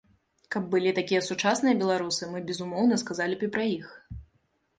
Каб былі такія сучасныя беларусы, мы, безумоўна, сказалі б і пра іх.